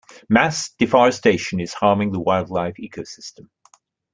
Mass deforestation is harming the wildlife ecosystem.